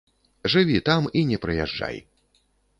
Жыві там і не прыязджай.